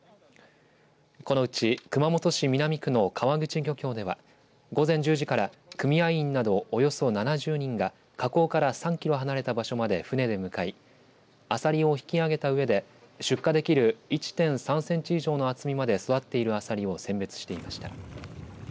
このうち熊本市南区の川口漁協では午前１０時から組合員などおよそ７０人が河口から３キロ離れた場所まで船で向かいアサリを引きあげたうえで出荷できる１．３センチ以上の厚みまで育っているアサリを選別していました。